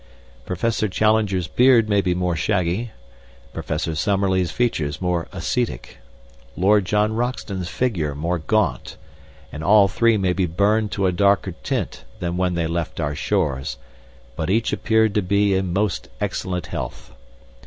Professor Challenger's beard may be more shaggy, Professor Summerlee's features more ascetic, Lord John Roxton's figure more gaunt, and all three may be burned to a darker tint than when they left our shores, but each appeared to be in most excellent health.